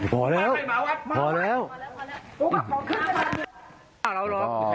พอแล้วค่ะพอแล้วพอแล้วพอแล้วพอแล้ว